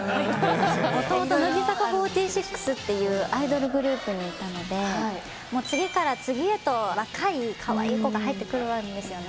もともと乃木坂４６というアイドルグループにいたので、次から次へと若いかわいい子が入ってくるわけですよね。